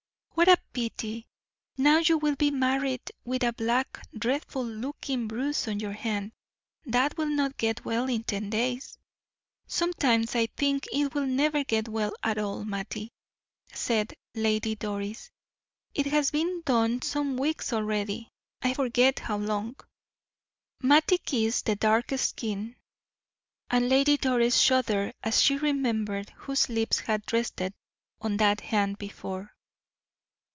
"What a pity. Now you will be married with a black, dreadful looking bruise on your hand. That will not get well in ten days." "Sometimes I think it will never get well at all, Mattie," said Lady Doris, "it has been done some weeks already; I forget how long." Mattie kissed the dark skin, and Lady Doris shuddered as she remembered whose lips had rested on that hand before.